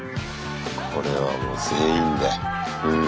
これはもう全員でうん。